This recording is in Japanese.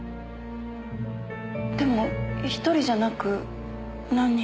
でも１人じゃなく何人も。